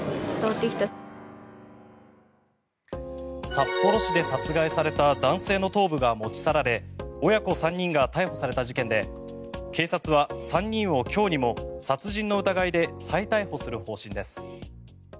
札幌市で殺害された男性の頭部が持ち去られ親子３人が逮捕された事件で警察は、３人を今日にも殺人の疑いで再逮捕する方針です。